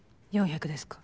４００ですか？